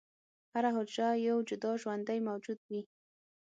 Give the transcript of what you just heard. هره حجره یو جدا ژوندی موجود وي.